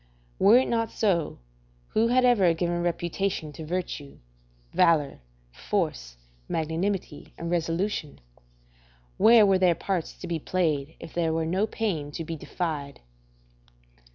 Were it not so, who had ever given reputation to virtue; valour, force, magnanimity, and resolution? where were their parts to be played if there were no pain to be defied?